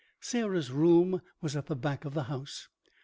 Sarah's room was at the back of the house.